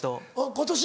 今年？